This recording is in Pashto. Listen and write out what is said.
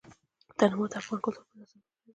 تنوع د افغان کلتور په داستانونو کې راځي.